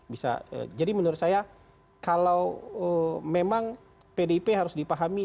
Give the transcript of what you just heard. bisa jadi menurut saya kalau memang pdip harus dipahami